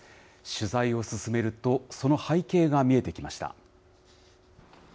取材を進めると、その背景が見えてきました。